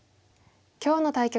今日の対局